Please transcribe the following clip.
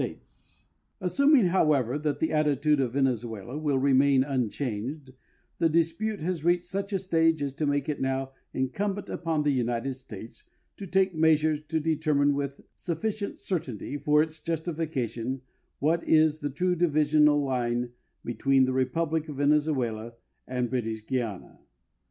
THE VENEZUELAN BOUNDARY COMMISSION 195 Assuming, however, that the attitude of Venezuela will n inaiii un changed, the dispute has reached sucli a stage as to make it now incum bent upon the United States to take measures to determine with sutlicient certainty for its justification what is the true divisional line between the Republic of Venezuela and British Guiana.